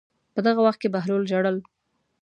په دغه وخت کې بهلول ژړل.